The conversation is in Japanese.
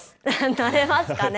慣れますかね。